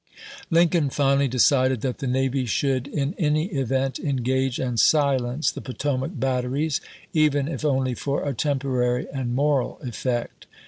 Lincoln finally decided that the navy should in any event engage and silence the Potomac batteries, even if only for a temporary and moral effect.